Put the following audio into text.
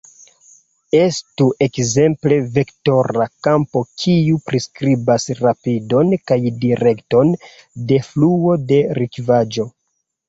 Estu ekzemple vektora kampo kiu priskribas rapidon kaj direkton de fluo de likvaĵo.